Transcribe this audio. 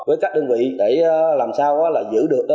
với các đơn vị để làm sao giữ được